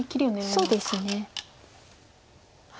そうですね。